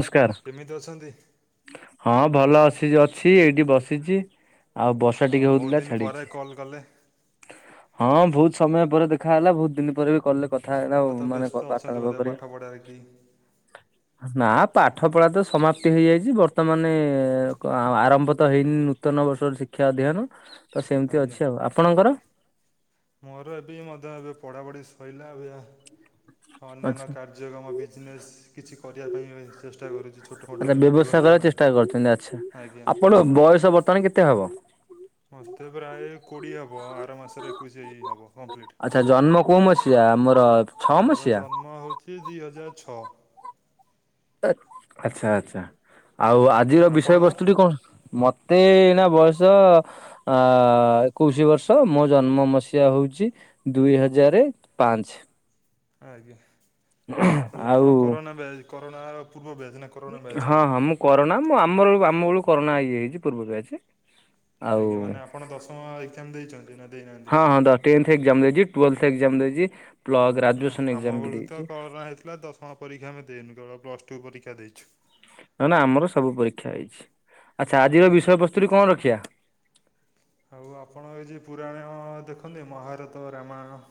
ନମସ୍କାର କେମିତି ଅଛନ୍ତି? ହଁ ଭଲ ଆସି ଅଛି, ଏଇଠି ବସିଛି। ଆଉ ବର୍ଷା ହଁ ଟିକେ ବହୁତ ହଉଥିଲା ଦିନ ପରେ ଛାଡିଚି। କଲ୍ କଲେ। ହଁ ବହୁତ ସମୟ ପରେ ଦେଖା ହେଲା, ବହୁତ ଦିନ ପରେ ବି କଲରେ କ ଖାଏନା ହଉ ତ ମାନେ ବ୍ୟସ୍ତ କ ଅଛନ୍ତି ବାର୍ତ୍ତାଳାପ ବୋଧେ ପାଠ କରିକି। ପଢ଼ାରେ କି ନା ପାଠପଢ଼ା ତ ସମାପ୍ତି ହେଇଯାଇଛି, ବର୍ତ୍ତମାନ ଆରମ୍ଭ ତ ହେଇନି ନୂତନ ବର୍ଷର ଶିକ୍ଷ ତା ଦେହ ନୁ ତ ସେମିତି ଆଜ୍ଞା। ଅଛି ଆଉ, ଆପଣଙ୍କର? ମୋର ଏବେ ମଧ୍ୟ ଏବେ ପଢାପଢି ସଇଲା ଆଉ ଏଇଆ ଅନ୍ୟାନ୍ୟ ଆଛା କାର୍ଯ୍ୟକ୍ରମ ବିଜନେସ କିଛି କରିବା ପାଇଁ ଚେଷ୍ଟା କରୁଛି ଛୋଟ ମୋଟ ଆଛା ବ୍ୟବସାୟ କରିବା ପାଇଁ। ଚେଷ୍ଟା କରୁଛନ୍ତି ଆଚ୍ଛା। ଆଜ୍ଞା ଆପଣଙ୍କ ବୟସ ବର୍ତ୍ତମାନ କେତେ ହବ? ମୋତେ ପ୍ରାୟ କୋଡିଏ ହବ ଆର ମାସରେ ଏକୋଇଶ ଏଇ ହବ କଂପ୍ଲିଟ୍। ମ କୋଉ ମସିହା? ଆମର ଛଅ ମୋର ମସିହା? ଜନ୍ମ ହଉଛି ଦିଇ ହଜାର ଛଅ। ଆ ଆଚ୍ଛା ଆଚ୍ଛା ଆଉ ଆଜିର ଆପଣଙ୍କର ବିଷୟବସ୍ତୁଟି କଣ? ମ ମତେ ଏଇନା ବୟସ ଏକୋଇଶି ବର୍ଷ। ମୋ ଜନ୍ମ ମସିହା ହଉଛି ଦୁଇ ହଜାରେ ପାଞ୍ଚେ। ଆଜ୍ଞା। ତାହେଲେ ଆଉ। ଆପଣ କରୋନା ବ୍ୟାଚ୍ କରୋନା ପୂର୍ବ ବ୍ୟାଚ୍ ନା କରୋନା ବ୍ୟାଚ୍ ରେ? ହଁ- ହଁ- ମୁଁ କରୋନା ମୁଁ ଆମ ବେଳକୁ ଆମ ବେଳୁ କରୋନା ଇଏ ହେଇଛି ପୂର୍ବରୁ ଯାଇଛି। ଆଜ୍ଞା ମାନେ ଆପଣ ଦଶମ ଏକଜାମ ଦେଇଛନ୍ତି ନା ଦେଇନାହାନ୍ତି? ହଁ ହଁ ଦ ଟେନ୍ଥ ଏକ୍ଜାମ ଦେଇଛି ଟୁଏଲ୍ଥ ଏକ୍ଜାମ ଦେଇଛି। ପ୍ଲସ୍ ନା ଗ୍ରାଜୁଏସନ ଆମ ଏକ୍ଜାମ ବି ବେଳକୁ ତ ଦେଇଛି କରୋନା ହେଇଥିଲା, ଦଶମ ପରୀକ୍ଷା ଆମେ ଦେଇନୁ କେବଳ ପ୍ଲସ ଟୁ ପରୀକ୍ଷା ଦେଇଛୁ। ନ ନା ଆମର ସବୁ ପରୀକ୍ଷା ହେଇଛି। ଆଚ୍ଛା ଆଜିର ଆଜ୍ଞା ବିଷୟ ବସ୍ତୁଟି କଣ ରଖିଆ? ଆଉ ଆପଣ ଏଇ ଯୋଉ ପୁରାଣ ଦେଖନ୍ତି, ମହାରତ ରାମାୟଣ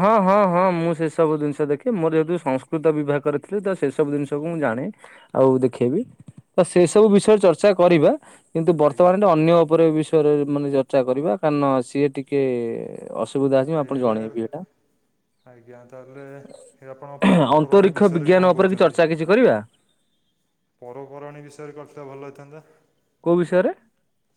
ହଁ- ହଁ- ହଁ- ମୁଁ ସେ ସବୁ ଜିନିଷ ଦେଖେ, ମୋର ଯେହେତୁ ସଂସ୍କୃତ ବିଭାଗ କରେ ଥିଲି ତ ସେସବୁ ଜିନିଷକୁ ମୁ ମୁଁ ଜାଣେ ଆଉ ଦେଖେ ବି, ତ ସେ ସବୁ ବିଷୟରେ ଚର୍ଚ୍ଚା କରିବା କିନ୍ତୁ ଆଜ୍ଞା ବର୍ତ୍ତମାନ [unintelligible] ଅନ୍ୟ ଉପରେ ବିଷୟରେ ମାନେ ଚର୍ଚ୍ଚା କରିବା, କାରଣ ସିଏ ଟିକେ ଅସୁ [unintelligible] ମୁଁ ଆଜ୍ଞା ଆପଣଙ୍କୁ ଏବେ ଜଣେଇବି। ଏଇଟା ଆଜ୍ଞା ତାହେଲେ [unintelligible] ଆପଣ ପର୍ବପର୍ବାଣୀ ଅନ୍ତରୀକ୍ଷ ବିଷୟରେ ବିଜ୍ଞାନ କଣ ଉପରେ କି କହୁଛନ୍ତି? ଚର୍ଚ୍ଚା କିଛି କରିବା? ପର୍ବପର୍ବାଣୀ ବିଷୟରେ କ [unintelligible] ଭଲ ହେଇଥାନ୍ତା। କୋଉ ବିଷୟରେ?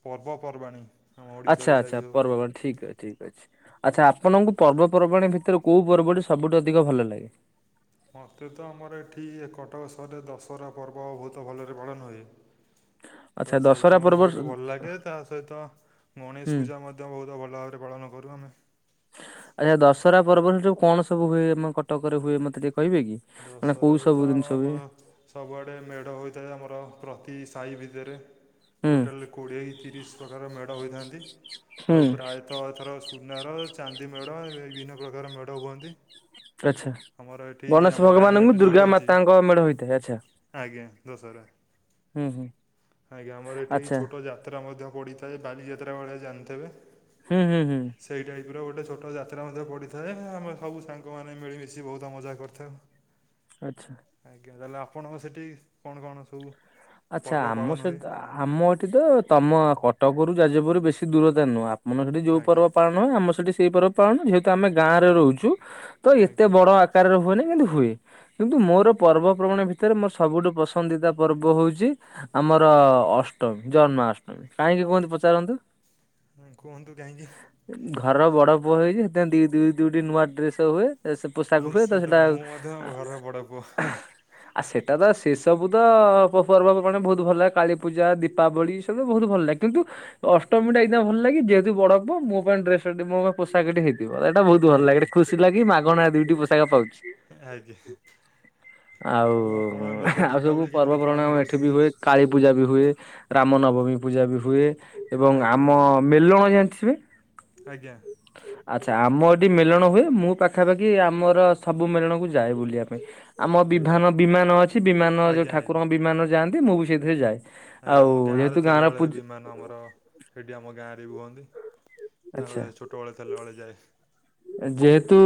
ପର୍ବପର୍ବାଣୀ ଆମ ଓଡ଼ିଶାରେ ଆଛା ଯାହାବି ଆଚ୍ଛା ସବୁ ପର୍ବ ଠିକ ଠିକ ଅଛି। ଆଚ୍ଛା ଆପଣଙ୍କୁ ପର୍ବପର୍ବାଣୀ ଭିତରେ, କୋଉ ପର୍ବଟି ସବୁଠୁ ଅଧିକ ଭଲ ଲାଗେ? ମତେ ତ ଆମର ଏଠି ଇଏ କଟବ ସହରରେ ଦଶହରା ପର୍ବ ବୋହୁତ ଭଲରେ ପାଳନ ହୁଏ। ତ ଆଚ୍ଛା ଦଶହରା ସେଇଟା ମତେ ପର୍ବ ସବୁଠୁ ଭଲ ଲାଗେ ତା ସହିତ ଗଣେଶ ହୁଁ। ପୂଜା ମଧ୍ୟ ବୋହୁତ ଭଲ ଭାବରେ ପାଳନ କରୁ ଆମେ। ଆଚ୍ଛା ଦଶହରା ପର୍ବରେ ହେଠି ସବୁ କଣ ସବୁ ହୁଏ ଆମ କଟକରେ ହୁଏ ମତେ ଟିକେ କହିବେ କି? ମାନେ କୋଉ ଦଶହରାରୁ ତ ସବୁ ଜିନିଷ ବ ହୁଏ ସବୁଆଡେ ମେଢ ହୋଉଥାଏ ଆମର ପ୍ରତି ସାଇ ଭିତରେ ହୁଁ ଟୋଟାଲେ କୋଡ଼ିଏ କି ତିରିଶ ପ୍ରକାର ମେଢ଼ ହୋଇଥାନ୍ତି ଆଉ ହୁଁ ପ୍ରାୟେତଃ ଏଥର ସୁନାର, ଚାନ୍ଦି ମେଢ, ଏବେ ଏଇ ବିଭିନ୍ନ ପ୍ରକାର ମେଢ ହୁଅନ୍ତି। ଆଛା ଆମର ଏଠି ଆମ ଗଣେଶ ରାଣୀହାଟ ଭଗବାନଙ୍କୁ ଯେଉଁଠି ଦୁର୍ଗା ଅଛି ମାତାଙ୍କ ମେଢ ହୋଇଥାଏ ଆଛା। ଆଜ୍ଞା ଦଶହରା ଆଜ୍ଞା ଆମର ଏଠି ଏଇ ଆଚ୍ଛା ଛୋଟ ଯାତ୍ରା ମଧ୍ୟ ପଡିଥା ନା ଯେ ବାଲିଯାତ୍ରା ବେଳେ ଜଣଥେବେ। ହୁଁ ହୁଁ ହୁଁ। ଏଉର ଗୋଟେ ଛୋଟ ଯାତ୍ରା ମଧ୍ୟ ପଡିଥାଏ ଆମେ ସବୁ ସାଙ୍ଗମାନେ ମିଳିମିଶି ବୋହୁତ ମଜା କରିଥାଉ। ଆଚ୍ଛା। ଆଜ୍ଞା ତାହେଲେ ଆପଣଙ୍କ ସେଠି କଣ କଣ ସବୁ ଆଚ୍ଛା ପର୍ବ ଆମ ପାଳନ ହୁଏ ସହିତ ଆମ ଏଠି ତ ତମ କ କଟକରୁ ଯାଜିପୁରୁ ବେଶ ଦୂରତା ନୁହଁ ଆପଣଙ୍କର ସେଠି ଯୋଉ ଆଜ୍ଞା ପର୍ବ ପାଳନ ହବ ଆମ ସେଠି ସେଇ ପର୍ବ ପାଳନ ଯେହେ ଯେହେତୁ ଆମେ ଗାଁରେ ରହୁଛୁ ତ ଏତେ ଆଜ୍ଞା ବଡ ଆକାରରେ ହୁଏନି। କିନ୍ତୁ ହୁଏ କିନ୍ତୁ ମୋର ପର୍ବପର୍ବାଣ ଭିତରେ ମୋର ସବୁଠୁ ପସନ୍ଦିତା ପର୍ବ ହୋଉଚି ଚି ଆମର ଅଷ୍ଟମୀ ଜନ୍ମାଷ୍ଟମୀ କାହିଁକି କୁହନ୍ତୁ ପଚାରନ୍ତୁ। ହୁଁ କୁହନ୍ତୁ କାହିଁକି? ଘରର ବଡ଼ ପୁଅ ହେଇଚି ସେଥିପଁ ଦି ଦୁଇ ଦୁଇଟି ନୂଆ ଡ୍ରେସେ ହୁଏ। ଏ ସେ ପୋଷାକ ହୁଏ ତ ନିଶ୍ଚିନ୍ତ ସେଇଟା ଆଉ ମୁଁ ମଧ୍ୟ ଆ ଘର ବଡ଼ ପୁଅ ଆ ସେଟା ତ ସେସବୁ ତ ପ ପର୍ବପର୍ବାଣୀ ବୋହୁତ ଭଲ ଲାଗ କାଳୀ ପୂଜା, ଦୀପାବଳି, ସେଗୁଡା ବୋହୁତ ଭଲ ଲାଗେ କିନ୍ତୁ ଅଷ୍ଟମୀଟା ଏଇଥିନାକି ଭଲ ଲାଗେ ଯେହେତୁ ବଡ ପୁଅ ମୋ ପାଇଁ ଡ୍ରେସଟି ମୋ ପାଇଁ ପୋଷାକଟି ହେଇ ଥିବ ଏଟା ବୋହୁତ ଭଲ ଲାଗେ ଆଜ୍ଞା ଗୋଟେ ଖୁସି ଲାଗି ମାଗଣା ଦୁଇ ପୋଷାକ ପାଉ ଆଜ୍ଞା ଆଉ ଆପଣ ଏ ବର୍ଷ ଆଉ ସବୁ ଦୀପାବଳି କେମିତି ପର୍ବପର୍ବାଣି ପାଳନ ଆମ କରୁଚ ଏଠି ବି ହୁଏ କାଳୀ ପୂଜା ବି ହୁଏ, ରାମ ନବମୀ ପୂଜା ବି ହୁଏ। ଏବଂ ଆଜ୍ଞା ଆମ ମେଲଣ ଜାଣିଥିବେ? ଆଜ୍ଞା। ଆଚ୍ଛା ଆମ ଏଠି ମେଳଣ ହୁଏ ମୁଁ ପାଖାପାଖି ଆମର ସବୁ ମେଳଣକୁ ଯାଏ ବୁଲିବା ପାଇଁ। ଆମ ଆଜ୍ଞା ବିଭାନ ବିମାନ ଅଛି ବିମାନ ଯୋଉ ଆଜ୍ଞା ଠାକୁରଙ୍କ ବିମାନରେ ଯାଆନ୍ତି ମୁଁ ବି ସେଇଥିରେ ଯାଏ। ଆଜ୍ଞା ଆଉ ଆମ ଗାଁରେ ଯେହେତୁ ଗାଁର ଥିଲାବେଳେ ପୂଜା ବିମାନ ଆମର ସେଠି ଆମ ଗାଁରେ ବି ହୁଏନ୍ତି। ତାଙ୍କ ଆଚ୍ଛା। ଗାଁରେ ଛୋଟ ବଳେ ଥିଲାବେଳେ ଯାଏ। ଯେହେତୁ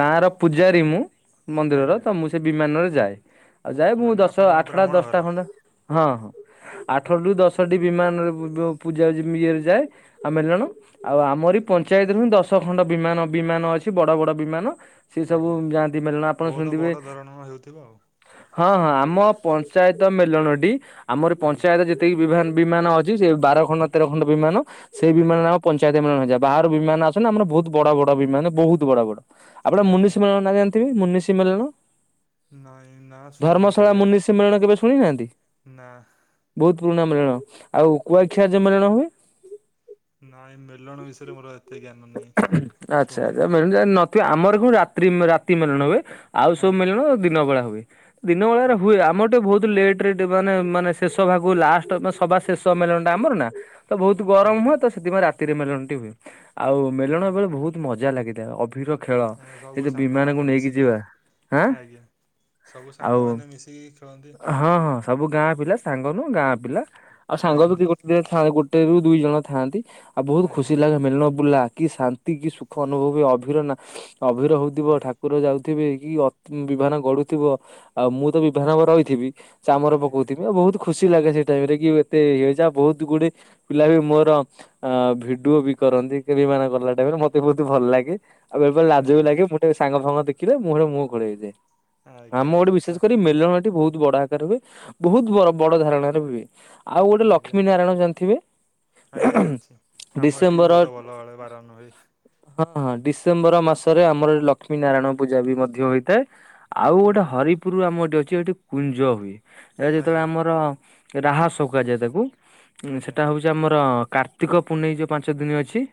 ଗାଁର ପୂଜାରୀ ମୁଁ ମନ୍ଦିରର ଆଜ୍ଞା ତ ମୁଁ ସେ ବିମାନରେ ଯାଏ ଆଉ ଯାଏ ମୁଁ ମାନେ ଦଶ ଆପଣ ଆଠଟା ବ୍ରାହ୍ମଣ ଘର ଦଶଟା ଖଣ୍ଡ ହଁ ହଁ। ଆଠରୁ ଦଶଟି ବିମାନରେ ବୁ ବୁ ପୂଜା ଯିମ ଇଏରେ ଯାଏ ଆଉ ମେଲଣ ଆଉ ଆମରି ପଞ୍ଚାୟତରୁ ହିଁ ଦଶ ଖଣ୍ଡ ବିମାନ ବିମାନ ଅଛି ବଡ ବଡ ବିମାନ। ସିଏ ସବୁ ଆଜ୍ଞା ଯାଆନ୍ତି ମଳଣ ଆପଣ ବହୁତ ଶୁଣିଥିବେ ବଡ଼ ଧରଣର ହେଉଥିବ ଆଉ ହଁ ହଁ ଆମ ପଞ୍ଚାୟତ ମେଲଣଟି ଆମର ଆଜ୍ଞା ପଞ୍ଚାୟତ ଯେତିକି ବିଭାନ୍ ବିମାନ ଅଛି ସେ ବାର ଖଣ୍ଡ ତେର ଖଣ୍ଡ ବିମାନ ସେଇ ଆଜ୍ଞା ବିମାନରେ ଆମ ପଞ୍ଚାୟତ ବିମାନ ଯାଏ ବାହାର ବିମାନ ଆସେନା ଆମର ବୋହୁତ ବଡ ବଡ ବିମାନ ବୋହୁତ ବଡ ବଡ ଆପଣ ମୁନିଷି ଆଜ୍ଞା ମେଲଣ ନାଁ ଜାଣିଥିବେ ମୁନିଷି ମେଲଣ। ନାଇଁ ନା ଶୁଣିନି ଧର୍ମଶାଳା କେବେ ମୁନିଷି ମେଲଣ କେବେ ଶୁଣି ନାହାନ୍ତି ନା ବୋହୁତ ପୁରୁଣା ମେଳଣ ଆଉ କୁଆଖିଆରେ ଯୋଉ ମିଳଣ ହୁଏ? ନାଇଁ ମେଲଣ ବିଷୟରେ ମୋର ଆଉ ଏତେ ଗ୍ୟାନ ନାଇଁ ଶୁଣନି। ସିଏ ଆମର କଣ ରାତ୍ରି ମେ ରାତି ମେଲଣ ହୁଏ ଆଉ ସବୁ ଆଜ୍ଞା ମେଲଣ ଦିନ ବେଳା ହୁଏ। ଦିନ ବେଳାରେ ଆଜ୍ଞା ହୁଏ ଆମର ଟିଏ ବୋହୁତ ଲେଟରେ ଟିକେ ମାନେ ମାନେ ଶେଷ ଭାଗକୁ ଲାଷ୍ଟ ମାନ ସବା ଶେଷ ମେଳଣଟା ଆମର ନା ତ ବୋହୁତୁ ଗରମ ଆଜ୍ଞା ହୁଏ ତ ସେଥିପାଇଁ ରାତିରେ ମେଲଣଟି ହୁଏ, ଆଉ ମେଲଣ ଆଜ୍ଞା ବେଳେ ବୋହୁତ ମଜା ଲାଗେ। [inaudible] ଅଭିର ଖେଳ ଆଜ୍ଞା ସବୁ ସେ ଯୋଉ ବିମାନକୁ ସାଙ୍ଗମାନେ ନେଇକି ମିଶିକି ଯିବା ଆଁ ଆଜ୍ଞା ସବୁ ଆଉ ସାଙ୍ଗମାନେ ମିଶିକି ଖେଳନ୍ତି। ହଁ ହଁ ସବୁ ଗାଁ ପିଲା ସାଙ୍ଗ ନୁହଁ ଗାଁ ପିଲା ଆଉ ସାଙ୍ଗ ବି ଆଜ୍ଞା କିଏ ଗୋଟେ ଦିଟା ଥାନ୍ତି ଗୋଟେରୁ ଦୁଇ ଜଣ ଥାଆନ୍ତି। ଆଉ ବହୁତ ଖୁସି ଆଜ୍ଞା ଲାଗେ ମେଳଣ ବୁଲା କି ଶାନ୍ତି କି ସୁଖ ଅନୁଭବ ହୁଏ ଅଭିର ନା ଅଭିର ହଉଥିବ ଆଜ୍ଞା ଠାକୁର ଯାଉ ଥିବେ କି ଅ ବିଭାନ ଗଡୁଥିବ, ଆଉ ମୁଁ ତ ବିଭାନ [inaudible] ରହିଥିବି। ଚାମର ଆଜ୍ଞା ପକଉଥିବି ଆଉ ବହୁତ ଖୁସି ଲାଗେ ସେଇ ଟାଇମରେ କି ଏତେ ଇଏ ଯା ବହୁତ ଗୁଡେ ପିଲା ବି ମୋର ଅ-ଅ-ଅ ଭିଡିଓ ବି କରନ୍ତି। [inaudible] ବିମାନ ଗଲା ଟାଇମରେ ମତେ ବହୁତ ଭଲ ଲାଗେ ଆଉ ବେଳେ ବେଳେ ଲାଜ ବି ଆଜ୍ଞା ଲାଗେ ମୁଁ ତ ଏ ସାଙ୍ଗ ଫାଙ୍ଗ ଦେଖିଲେ ମୁଁ [inaudible] ମୁହଁ ଘୋଡେଇ ଦିଏ, ଆମ ଆଜ୍ଞା ଏଠି ବିଶେଷ ଆଚ୍ଛା କରି ମେଲଣଟି ବହୁତ [inaudible] ବଡ ଆକାରରେ ହୁଏ ବହୁତ ବଡ, ବଡ ଧରଣର ହୁଏ। ଆଉ ଗୋଟେ ଆଜ୍ଞା ଲକ୍ଷ୍ମୀ ନାରାୟଣ ଜାଣିଥିବେ ଆଜ୍ଞା ଜାଣିଛି ଆମ ଏଠି ଡିସେମ୍ବର [unintelligible] ହଁ-ହଁ ଡିସେମ୍ବର ମାସରେ ଆମର ଏଠି ଲକ୍ଷ୍ମୀ ନାରାୟଣ ପୂଜା ବି ମଧ୍ୟ ହୋଇଥାଏ। ଆଉ ଗୋଟେ ଆଜ୍ଞା ହରିପୁର ଆମ ଏଠି ଅଛି, ଏଠି କୁଞ୍ଜ ହୁଏ, ଏ ଯେତେବେଳେ ଆଜ୍ଞା ଆମର ରାହାସ କୁହାଯାଏ ତାକୁ, ଉଁ ଆଜ୍ଞା ସେଇଟା ହେଉଛି ଆମର କାର୍ତ୍ତିକ ପୂନେଇଁ ଯୋଉ ପାଞ୍ଚ ଦିନ ଅଛି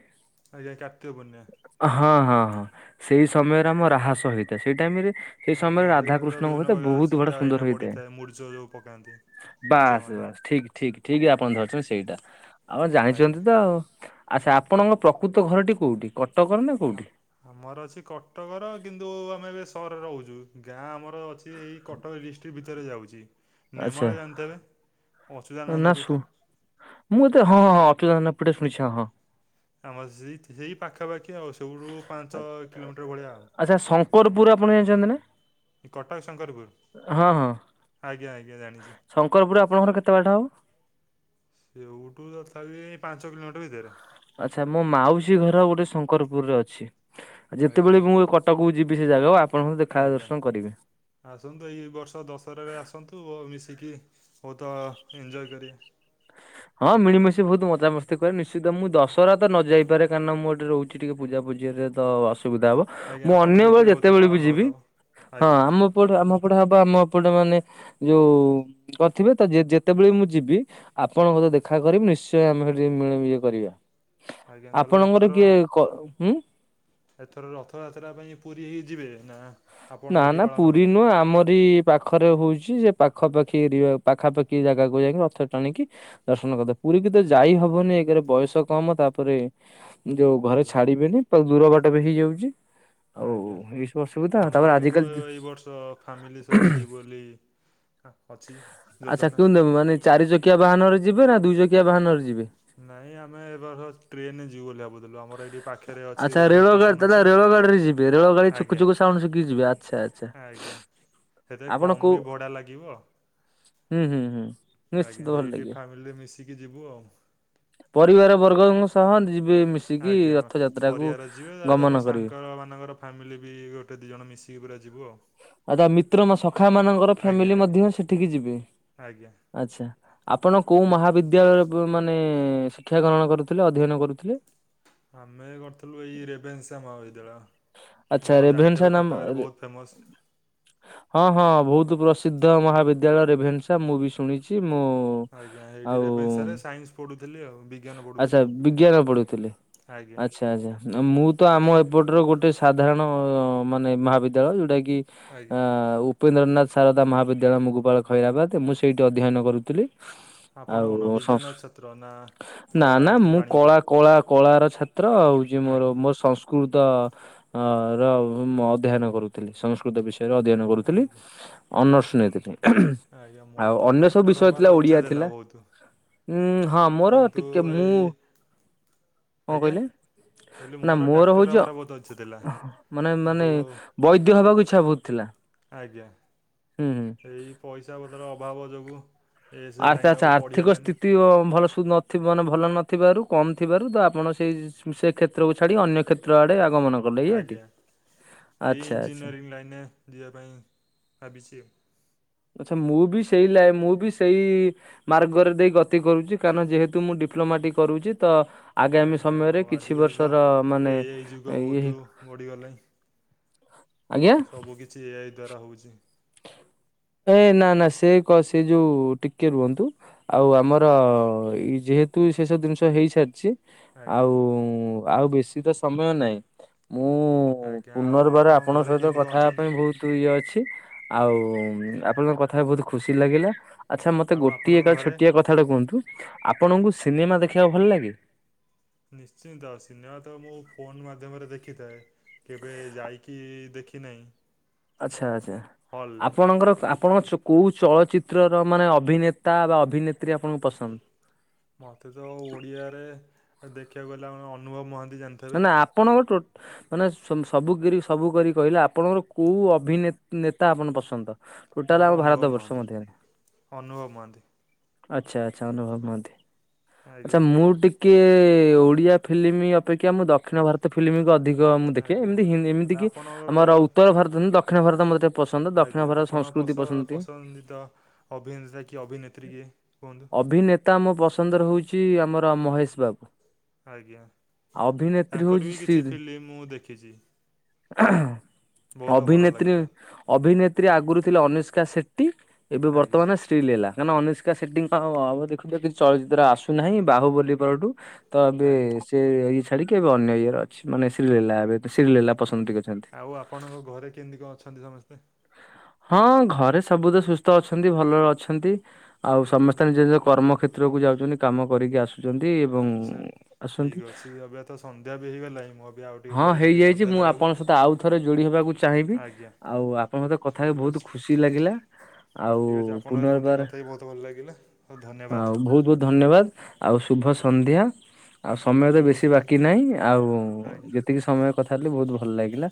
ଆଜ୍ଞା କାର୍ତ୍ତିକ ପୂର୍ଣ୍ଣିମା ହଁ-ହଁ-ହଁ ସେଇ ସମୟରେ ଆମ ରାହାସ ହୋଇଥାଏ, ସେଇ ଟାଇମରେ ଆଜ୍ଞା ସେଇ ଟାଇପର ବିଭିନ୍ନ ପ୍ରକାର ବଡ ଚିତା ସୁନ୍ଦର ହେଇକିନା ହେଇଥାଏ। ପଡିଥାଏ ମୁରୂଜ ଯୋଉ ପକାନ୍ତି। ବାସ୍ ଝିଅମାନେ ବାସ୍ ଠିକ୍। ଠିକ୍ ଠିକ୍ ଆପଣ ଧରିଛନ୍ତି ସେଇଟା, ଆଉ ଜାଣିଛନ୍ତି ଆଜ୍ଞା ତ ଆଉ, ଆଚ୍ଛା ଆପ୍ ଆପଣଙ୍କ ପ୍ରକୃତ ଘରଟି କୋଉଠି କଟ୍ ହଁ ଆମର ଅଛି କଟକର କିନ୍ତୁ ଆମେ ଏବେ ସହରରେ ରହୁଛୁ ଗାଁ ଆମର [inaudible] ଅଛି ଏଇ କଟକ ଡିଷ୍ଟ୍ରିକ୍ଟ ଭିତରେ ଯାଉଛି। ନେମାଳ ଆଛା ଜାଣିଥିବେ ଅଚ୍ୟୁତାନନ୍ଦ ପୀଠ ନାସୁ ମୁଁ ତ ହଁଅ-ଅ-ଅ [inaudible] ପଟେ ଶୁଣିଛ ହଁ। ଆମର ସେଇ ସେଇ ପାଖାପାଖି ଆଉ ସେଇଠୁ ପାଞ୍ଚ କିଲୋମିଟର ଭଳିଆ ଆଉ ଶଙ୍କରପୁର୍ ଆପଣ ଜାଣିଛନ୍ତି ନା? ଏଇ କଟକ ଶଙ୍କରପୁର ହଁ ହଁ। ଆଜ୍ଞା-ଆଜ୍ଞା ଜାଣିଛି। ଆପଣଙ୍କର କେତେ ବାଟ ହବ? ସେଉଠୁ ତଥାପି ଏ ପାଞ୍ଚ କିଲୋମିଟର ଭିତରେ। ଆଚ୍ଛା ମୋ ମାଉସୀ ଘର ଗୋଟେ ଶଙ୍କରପୁରରେ ଅଛି, ଆଜ୍ଞା ଯେତେବେଳେ ମୁଁ ଏ କଟକକୁ ଯିବି ସେ [inaudible] ଆଜ୍ଞା, ଦର୍ଶନ କରିବି। ଆସନ୍ତୁ ଏଇ ବର୍ଷ ଦଶହରାରେ ଆସନ୍ତୁ ଆଉ ମିଶିକି ବହୁତଅ-ଅ ଏଞ୍ଜୟ କରେ। ହଁ ମିଳିମିଶି ବହୁତ ମଜାମସ୍ତି କରେ ନିଶ୍ଚିତ ମୁଁ ଦଶହରା ତ ନ ଯାଇ ପାରେ କାରଣ ନା ମୁଁ ଏଠି ରହୁଛି ଟିକେ ପୂଜାପୂଜି ବୁଝି [inaudible] ତ ଅସୁବିଧା ହବ ଆଜ୍ଞା ମୁଁ ଆପଣ ଅନ୍ୟ ବେଳେ ସେଠି ବହୁତ ଯେତେବେଳେ ବି ପାଳନ ଯିବି, ହେଉଥିବ ହଁ ଆଜ୍ଞା ଆମ ପଟେ ଆମ ଏପଟେ ହବ ଆମ ଏପଟେ ମାନେ ଯୋଉ-ଉ-ଉ କରିଥିବେ ତ ଯେତେବେଳେ ମୁଁ ଯିବି ଆପ୍ ଆପଣଙ୍କ ସହ ଦେଖା କରିବି ନିଶ୍ଚୟ ଆମେ ସେଠି ମିଳିମିଶି କରିବା। ଆଜ୍ଞା ତାହେଲେ ଆପଣଙ୍କର ଏଥର କିଏ କ ହୁଁ ଏଥର ରଥଯାତ୍ରା ପାଇଁ ପୁରୀ ଯିବେ ନା? ନା ଆପଣ ସେଠି ନା ପାଳନ ପୁରୀ ହୁଏ? ନୁହଁ ଆମରି ପାଖରେ ହଉଛି ସେ ପାଖାପାଖି ଯିବା, ପାଖାପାଖି ଜାଗାକୁ ଯାଇକି ରଥ ଟାଣିକି ଦର୍ଶନ କରିଦବା। ପୁରୀ ବି ତ ଯାଇ ହବନି ଏକରେ ବୟସ କମ ତାପରେ ଯୋଉ ଘରେ ଆଜ୍ଞା ଛାଡିବେନି ତ ଦୂର ବାଟ ବି ହେଇଯାଉଛି ଆଉ ଏଇ ସବୁ ଅସୁବିଧା ତାପରେ ମୋର କିନ୍ତୁ ଆଜିକାଲି ଏଇ ଏଇ ବର୍ଷ ଫ୍ୟାମିଲି ସହିତ ଯିବୁ ବୋଲି ଅଛି ଯୋଜନା। ଆଚ୍ଛା [inaudible] ମାନେ ଚାରି ଚକିଆ ବାହାନରେ ଯିବେ ନା ଦୁଇ ଚକିଆ ବାହାନରେ ଯିବେ? ନାଇଁ ଆମେ ଏବର୍ଷ ଟ୍ରେନରେ ଯିବୁ ବୋଲି ଭାବୁ ଆଚ୍ଛା ରେଳ ଗାଡି ତାହେଲେ ଅଛି। ରେଳ ଗାଡିରେ ଯିବେ ରେଳ ଗାଡି ଆଜ୍ଞା ଛୁକୁ-ଛୁକୁ ସାଉଣ୍ଡ ଶୁଗିକି ଯିବେ ଆଚ୍ଛା। ଆଚ୍ଛା। ଆଜ୍ଞା, ସେଥିରେ ଆପଣ କମ୍ କୋଉ ବି ଭଡା ଲାଗିବ। ହୁଁ- ହୁଁ- ହୁଁ। ନିଶ୍ଚିତ ଆଜ୍ଞା ଭଲ ସେଇଠି ଲାଗିବ। ଫ୍ୟାମିଲି ମିଶିକି ଯିବୁ ଆଉ। ହଁ ଯିବେ ମିଶିକି ଆଜ୍ଞା ରଥଯାତ୍ରାକୁ ପରିବାର ଯିବେ ତା ଗମନ ମୋ କରିବେ। ସାଙ୍ଗ ମାନଙ୍କର ଫ୍ୟାମିଲି ବି ଗୋଟେ ଦି ଜଣ ମିଶିକି ପୁରା ଯିବୁ ଆଉ। ଆଉ ତା ମିତ୍ର ମୋ ସଖା ମାନଙ୍କର ଆଜ୍ଞା ଫ୍ୟାମିଲି ଆଜ୍ଞା ମଧ୍ୟ ସେଠିକି ଯି ଆଜ୍ଞା ଆଚ୍ଛା ଆପଣ କୋଉ ମହାବିଦ୍ୟାଳୟ [unintelligible] ମାନେ ଶିକ୍ଷା ଗ୍ରହଣ କରୁଥିଲେ, ଅଧ୍ୟୟନ କରୁଥିଲେ? ଆମେ କରିଥିଲୁ ଏଇ ରେଭେନ୍ସା ମହାବିଦ୍ୟାଳୟ। ଆଚ୍ଛା ଆମର ରେଭେନ୍ସା ଜାଣିଥିବେ ନାମ କଟକରେ ବହୁତ ଫେମସ୍। ହଁ ହଁ ବୋହୁତ ପ୍ର ସିଦ୍ଧ ମହାବିଦ୍ୟାଳୟ ରେଭେନ୍ସା ମୁଁ ବି ଶୁଣିଚି ମୁଁ ଆଜ୍ଞା ଏଇଠି ଆଉ ରେଭେନ୍ସାରେ ସାଇନ୍ସ ପଢ଼ୁଥିଲି ଆଉ ବିଜ୍ଞାନ ଆଚ୍ଛା ପଢ଼ୁଥିଲି ଆଉ ବିଜ୍ଞାନ ପଢୁଥିଲି। ଆଜ୍ଞା ଆଚ୍ଛା ଆଚ୍ଛା ମୁଁ ତ ଆମ ଏପଟ ଗୋ ଆଉ ଗୋଟେ ସାଧାରଣ ମାନେ ମହାବିଦ୍ୟାଳୟ ଯୋଉଟା କିି ଆଜ୍ଞା। ଉପେନ୍ଦ୍ରନାଥ ଶାରଦା ମହାବିଦ୍ୟାଳୟ ମୁଗୁପାଳ ଖଇରାବାଦ ମୁଁ ସେଇଠି ଅଧ୍ୟାୟନ କରୁଥିଲି। ଆପଣ ଆଉ କଣ ସଂସ୍ ବିଜ୍ଞାନ ଛାତ୍ର ନା ନା କଳା ନା କି ମୁଁ ବାଣିଜ୍ୟ? କଳା କଳା କଳାର ଛାତ୍ର ହୋଉଚି ମୋର ଆଜ୍ଞା ମୋର ସଂସ୍କୃତ ଅ ର ଅଧ୍ୟାୟନ କରୁଥିଲି ସଂସ୍କୃତ ବିଷ ଅଧ୍ୟାୟନ କରୁଥିଲି ଆଜ୍ଞା। ଅନର୍ସ ନେଇ ଆଜ୍ଞା ମୋର ତ ଡାକ୍ତର ହବାର ଇଚ୍ଛା ଦେଲା ବୋହୁତ। ଉୁଁ ହଁ ମୋର ଟିକେ ମୁଁ କଣ ଆଜ୍ଞା କହିଲେ? କହିଲି ନା ମୋର ଡାକ୍ତର ହଉଛି ହବାର ବୋହୁତ ମାନେ ମାନେ ବୈଦ୍ୟ ହବାକୁ ଇଚ୍ଛା ବୋହୁତ ଥିଲା। ଆଜ୍ଞା ହୁଁ ହୁଁ। ଏଇ ପଇସା ପତର ଅଭାବ ଯୋଗୁ ଆଛା ଆଛା ଆର୍ଥିକ ସ୍ଥିତି ଭଲ ନଥିଲା ମାନେ ଭଲ ନଥିବାରୁ କମ୍ ଥିବାରୁ ତ ଆପଣ ସେଇ ସେ କ୍ଷେତ୍ରକୁ ଛାଡ଼ି ଅନ୍ୟ କ୍ଷେତ୍ର ଆଡ଼େ ଆଜ୍ଞା। [unintelligible] ଏଇ ଆଚ୍ଛା ଆଚ୍ଛା ଇଞ୍ଜିନିୟରିଂ ଲାଇନରେ ଯିବା ପାଇଁ ଭାବିଚି ଆଉ। ଆଚ୍ଛା ମୁଁ ବି ସେଇ ଲାଇ ମୁଁ ବି ସେଇ ମାର୍ଗରେ ଦେଇ ଗତି କରୁଛି କାରଣ ଯେହେତୁ ମୁଁ ଡ଼ା ଡିପ୍ଲୋମାଟିକ କରୁଚି ତ ଆଗାମୀ ଆଜ୍ଞା ସମୟରେ ହଉ କିଛି ଆଜିିକାଲି ତ ବର୍ଷର ମାନେ ଏଇ ଏଇ ଯୁଗ ଇଏ ବୋହୁତ ବଢିଗଲାଣି ଆଜ୍ଞା। ସବୁ କିଛି ଏଆଇ ଦ୍ଵାରା ହୋଉଛି। ଏ ନା ନା ସେ କ ସେ ଯୋଉ ଟିକେ ରୁହନ୍ତୁ। ଆଉ ଆମର ଯେହେତୁ ସେ ସବୁ ଜିନିଷ ହେଇସାରିଚି। ଆଜ୍ଞା ଆଉ ଆଉ ବେଶୀ ତ ସମୟ ନାହିଁ। ମୁଁ ଆଜ୍ଞା ଆଉ ପୁନର୍ବାର ଆପଣଙ୍କ ଘରେ ସହିତ କେମିତି କଥା କଣ ହେବା ଅଛନ୍ତି ପାଇଁ ବୋହୁତ ଇଏ ଅଛି। ଆଉ ଆପଣଙ୍କ କଥା ହବା ବୋହୁତ ଖୁସି ଲାଗିଲା। ଆଚ୍ଛା ମତେ ଆଉ ଗୋଟିଏ ଆପଣଙ୍କ ଏକ ଘରେ ଛୋଟିଆ କଥାଟା କୁହନ୍ତୁ ଆପଣଙ୍କୁ ସିନେମା ଦେଖିବାକୁ ଭଲ ଲାଗେ? ନିଶ୍ଚିନ୍ତ ସିନେମା ତ ମୁଁ ଫୋନ ମାଧ୍ୟମରେ ଦେ ଦେଖିଥାଏ କେବେ ଯାଇକି ଦେଖି ନାହିଁ। ଆଚ୍ଛା ଆଛା ଆପଣଙ୍କର ଆପଣଙ୍କ ଚୁ କୋଉ ଚଳଚିତ୍ରର ମାନେ ଅଭିନେତା ବା ଅଭିନେତ୍ରୀ ଆପଣଙ୍କୁ ପସନ୍ଦ? ମତେ ତ ଓଡିଆରେ ଦେଖିବାକୁ ଗଲା ଅନୁଭବ ମହାନ୍ତି। ଜାଣିଥିବେ ନା ନା ଆପଣଙ୍କ [unintelligible] ମାନେ ସବୁ ସବୁ କରି କହିଲେ ଆପଣଙ୍କର କୋଉ ଅଭିନେନେତା ଆପଣ ପସନ୍ଦ? ଟୋଟାଲ ଆମ ମୋର ଭାରତ ଅନୁଭବ ବର୍ଷ ମହାନ୍ତି ମଧ୍ୟରେ ଅନୁଭବ ମହାନ୍ତି। ଆଚ୍ଛା ଆଚ୍ଛା ଅନୁଭବ ମହାନ୍ତି, ଆଚ୍ଛା ଆଜ୍ଞା ମୁଁ ଟିକେ ଓଡିଆ ଫିଲ୍ମ ଅପେ ଅପେକ୍ଷା ଆ ମୁଁ ଦକ୍ଷିଣ ଭାରତ ଫିଲ୍ମକୁ ଅଧିକ ମୁଁ ଦେଖେ ଆଜ୍ଞା ଏମିତି ହେଲେ ଏମିତିକି ଆମର ଆପଣଙ୍କର ଉତ୍ତର ଭାରତ ଦକ୍ଷଣ ଭାରତ ମଧ୍ୟ ଆଜ୍ଞା ଆପଣଙ୍କ ପ ପସନ୍ଦିତ ଅଭିନେତା କି ଅଭିନେତ୍ରୀ କିଏ କୁହନ୍ତୁ? ଅଭିନେତା ମୋ ପସନ୍ଦର ହେଉଚି ଆମର ମହେଶ [unintelligible] ଆଜ୍ଞା ଅଭିନେତ୍ରୀ ତାଙ୍କର ହଉଛି ବି ଶ୍ରୀ କିଛି ଫିଲ୍ମ ମୁଁ ଦେଖିଛି। ବହୁତ ଭଲ ଅଭିନେତ୍ରୀ ଲାଗିଥାଏ। ଅଭିନେତ୍ରୀ ଆଗରୁ ଥିଲେ ଅନୁଷ୍କା ସେଠୀ। ଏବେ ଆଜ୍ଞା ବର୍ତ୍ତମାନ ଶ୍ରୀ ଲିଲା। କାହିଁକନା ଅନୁଷ୍କା ସେ୍ଟୀଙ୍କ ହବ ଦେଖୁଥବ କିଛି ଚଳଚିତ୍ର ଆସୁନାହିଁ ବାହୁବଳି ପରଠୁ ତ ଏବେ ଆଜ୍ଞା ସେ ଇଏ ଛାଡିକି ଏବେ ଅନ୍ୟ ଇଏର ଅଛି ମାନେ ଶ୍ରୀ ଲିଲା ଏବେଠୁ ଆଉ ଆପଣଙ୍କ ଘରେ କେମିତି କଣ ଅଛନ୍ତି ସମସ୍ତେ? ହଁ ଘରେ ସବୁ ତ ସୁସ୍ଥ ଅଛନ୍ତି ଭଲ ଅଛନ୍ତି ଆଉ ସମସ୍ତେ ନିଜ ନିଜ କର୍ମ କ୍ଷେତ୍ର ଚିତ୍ରକୁ ଯାଉଛନ୍ତି କାମ କରିକି ଆସୁଛନ୍ତି ଏବଂ ଆଚ୍ଛା। ଠିକ୍ ଆସନ୍ତି ଅଛି ଏବେ ତ ସନ୍ଧ୍ୟା ବି ହେଇଗଲାଣି ମୁଁ ଏବେ ଆଉ ଟିକେ ହଁ ପରେ ଯିବି ହେଇଯାଇଛି ସନ୍ଧ୍ୟା ମୁଁ ଦେବାକୁ। ଆପଣଙ୍କ ସହିତ ଆଉ ଥରେ ଯୋଡି ହେବି କୁ ଚାହିଁବି ଆଜ୍ଞା ଆଉ ଆପଣଙ୍କ ସହ କଥା ହେଇକି ଠିକ୍ ବହୁତ ଅଛି ଖୁସି ଲାଗିଲା। ଆଉ ଠିକ୍ ଅଛି ଆପଣଙ୍କ ସହିତ ମଧ୍ୟ ପୁନର୍ବାର କଥା ହେଇକି ବହୁତ ଭଲ ଲାଗିଲା ଆଉ ଧନ୍ୟବାଦ। ଆଉ ବହୁତ ବହୁତ ଧନ୍ୟବାଦ ଆଉ ଶୁଭ ଆଜ୍ଞା ସନ୍ଧ୍ୟା। ଆଉ ସମୟ ତ ଶୁଭ ବେଶୀ ବାକି ନାହିଁ ଆଉ ଆଜ୍ଞା ଯେତିକି ସମୟ କଥା ହେଲେ ବହୁତ ଭଲ ଲାଗିଲା।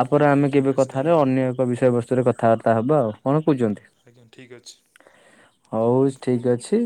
ଆପରେ ଆଜ୍ଞା ଆମେ ଠିକ୍ କେବେ ଅଛି କଥାରେ ଧନ୍ୟବାଦ ଅନ୍ୟ ଏକ ବିଷୟ ବସ୍ତୁରେ କଥାବାର୍ତ୍ତା ହବା ଆଉ। କଣ କହୁଛନ୍ତି? ଆଜ୍ଞା ଠିକ୍ ଅଛି। ହଉ ଠିକ୍ ଅଛି।